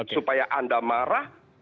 supaya anda marah